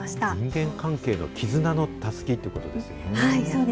人間関係の絆のたすきということですよね。